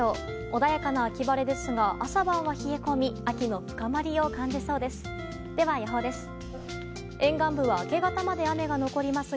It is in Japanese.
穏やかな秋晴れですが朝晩は冷え込み秋の深まりを感じそうです。